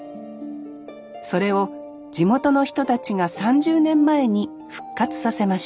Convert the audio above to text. それを地元の人たちが３０年前に復活させました